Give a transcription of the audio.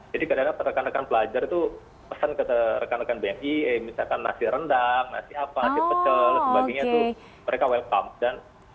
jadi kadang kadang rekan rekan pelajar itu pesan ke rekan rekan bmi misalkan nasi rendang nasi apa nasi pecel sebagainya itu mereka welcome